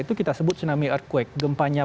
itu kita sebut tsunami arquake gempanya